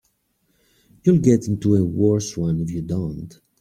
You'll get into a worse one if you don't.